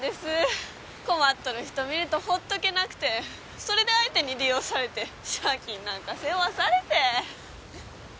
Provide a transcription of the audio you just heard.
困っとる人見ると放っておけなくてそれで相手に利用されて借金なんか背負わされて。